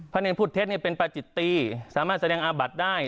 ภาทเนียนพูดเท็จเป็นประจิตตีสามารถแสดงอาบัดได้